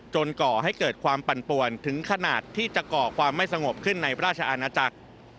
ก่อให้เกิดความปั่นป่วนถึงขนาดที่จะก่อความไม่สงบขึ้นในราชอาณาจักร